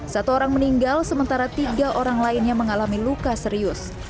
satu orang meninggal sementara tiga orang lainnya mengalami luka serius